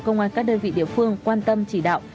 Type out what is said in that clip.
công an các đơn vị địa phương quan tâm chỉ đạo